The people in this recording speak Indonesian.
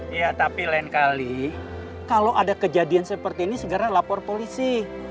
ya tapi lain kali kalau ada kejadian seperti ini segera lapor polisi